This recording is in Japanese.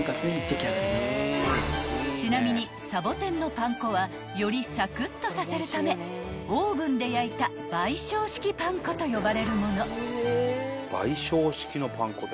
［ちなみにさぼてんのパン粉はよりサクッとさせるためオーブンで焼いた焙焼式パン粉と呼ばれるもの］